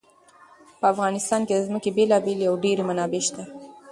په افغانستان کې د ځمکه بېلابېلې او ډېرې منابع شته.